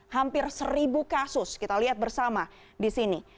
hampir seribu kasus kita lihat bersama di sini